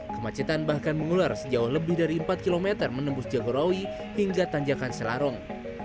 kemacetan bahkan mengular sejauh lebih dari empat km menembus jagorawi hingga tanjakan selarong